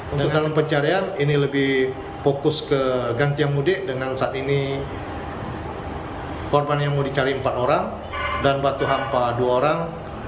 untuk dalam pencarian ini lebih fokus ke gantian mudik dengan saat ini korban yang mau dicari empat orang dan batu hampa dua orang